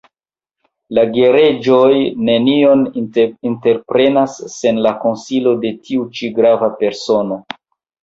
La gereĝoj nenion entreprenas sen la konsilo de tiu ĉi grava persono.